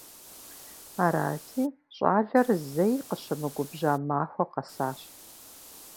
Арати, щӀалэр зэи къыщымыгубжьа махуэ къэсащ.